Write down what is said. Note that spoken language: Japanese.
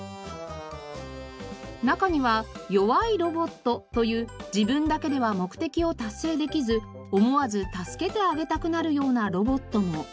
中には「弱いロボット」という自分だけでは目的を達成できず思わず助けてあげたくなるようなロボットも。